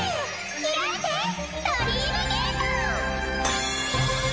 開いてドリームゲート！